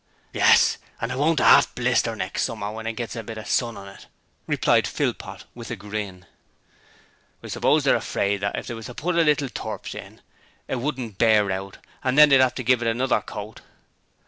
'Yes: and it won't arf blister next summer when it gets a bit of sun on it,' replied Philpot with a grin. 'I suppose they're afraid that if they was to put a little turps in, it wouldn't bear out, and they'd 'ave to give it another coat.'